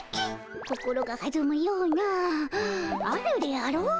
心がはずむようなあるであろう？